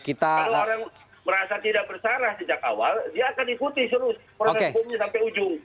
kalau orang merasa tidak bersarah sejak awal dia akan ikuti seluruh proses hukumnya sampai ujung